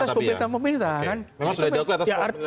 atas penilaian pemerintah